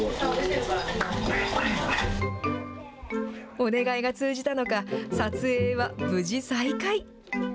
お願いが通じたのか、撮影は無事再開。